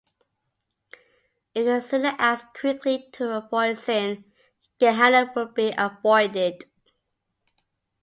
If the sinner acts quickly to avoid sin, Gehenna will be avoided.